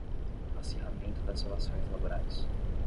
Acirramento das relações laborais